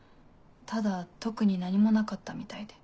ただ特に何もなかったみたいで。